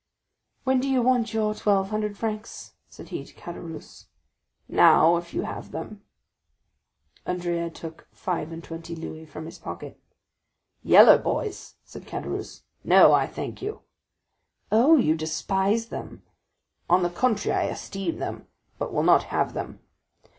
"When do you want your twelve hundred francs?" said he to Caderousse. "Now, if you have them." Andrea took five and twenty louis from his pocket. "Yellow boys?" said Caderousse; "no, I thank you." "Oh, you despise them." "On the contrary, I esteem them, but will not have them."